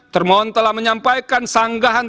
termohon telah menyampaikan sanggahan